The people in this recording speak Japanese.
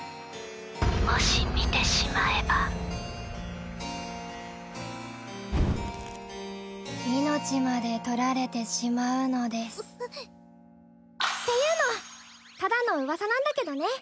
もし見てしまえば命までとられてしまうのですっていうのはただの噂なんだけどね